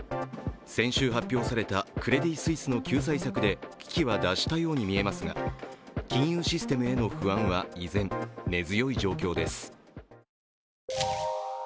先週発表されたクレディ・スイスの救済策で危機は脱したように見えますが金融システムへの不安は依然、根強い状況です。